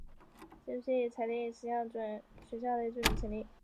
经审讯后最终裁定十项未经准许而逗留在学校内罪名成立。